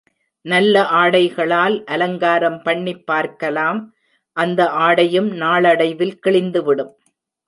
நல்ல ஆடைகளால் அலங்காரம் பண்ணிப் பார்க்கலாம் அந்த ஆடையும் நாளடைவில் கிழிந்து விடும்.